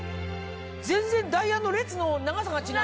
全然ダイヤの列の長さが違う。